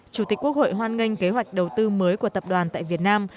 chủ tịch quốc hội hoan nghênh kế hoạch đầu tư mới của tập đoàn tại việt nam